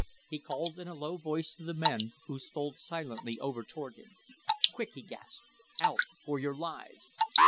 He called in a low voice to the men, who stole silently over toward him. "Quick!" he gasped. "Out, for your lives!"